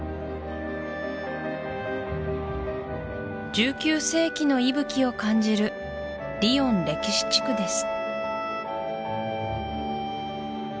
１９世紀の息吹を感じるリヨン歴史地区です